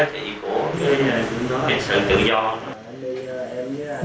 để sự tự do